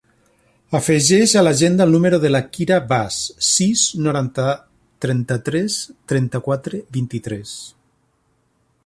Afegeix a l'agenda el número de la Kira Vaz: sis, noranta, trenta-tres, trenta-quatre, vint-i-tres.